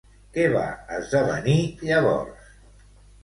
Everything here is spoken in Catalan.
Què va esdevenir llavors?